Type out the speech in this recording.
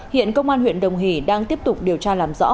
hiện công an huyện đồng hỷ đang tiếp tục điều tra làm rõ